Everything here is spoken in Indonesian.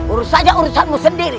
urus saja urusanmu sendiri